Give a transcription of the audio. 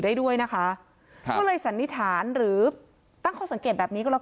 ได้ด้วยนะคะครับก็เลยสันนิษฐานหรือตั้งข้อสังเกตแบบนี้ก็แล้ว